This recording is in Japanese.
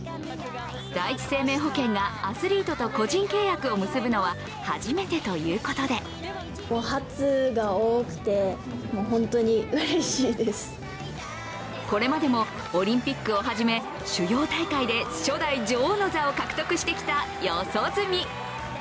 第一生命保険がアスリートと個人契約を結ぶのは初めてということでこれまでもオリンピックをはじめ、主要大会で初代女王の座を獲得してきた四十住。